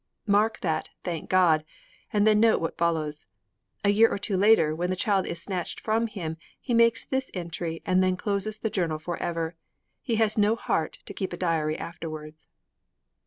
Mark that 'Thank God!' and then note what follows. A year or two later, when the child is snatched from him, he makes this entry and then closes the journal for ever. He has no heart to keep a diary afterwards.